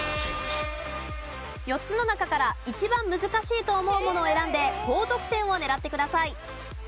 ４つの中から一番難しいと思うものを選んで高得点を狙ってください。